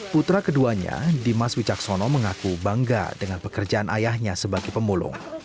putra keduanya dimas wicaksono mengaku bangga dengan pekerjaan ayahnya sebagai pemulung